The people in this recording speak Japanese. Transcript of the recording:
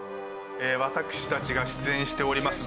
私たちが出演しております